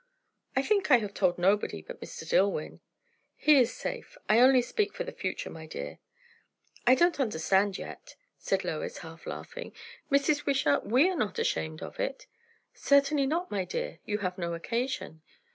"I think I have told nobody but Mr. Dillwyn." "He is safe. I only speak for the future, my dear." "I don't understand yet," said Lois, half laughing. "Mrs. Wishart, we are not ashamed of it." "Certainly not, my dear; you have no occasion."